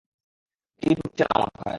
কী ঢুকছে না মাথায়?